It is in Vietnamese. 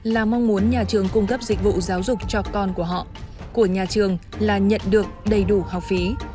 là mong muốn nhà trường cung cấp dịch vụ giáo dục cho con của họ của nhà trường là nhận được đầy đủ học phí